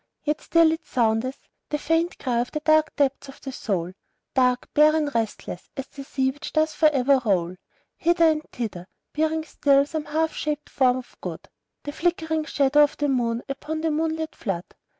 Yet still it soundeth, the faint cry of the dark deeps of the soul, Dark, barren, restless, as the sea which doth for ever roll Hither and thither, bearing still some half shaped form of good, The flickering shadow of the moon upon the "moon led flood."